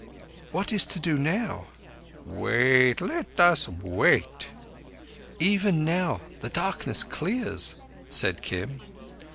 "What is to do now?" "Wait. Let us wait." "Even now the darkness clears," said Kim.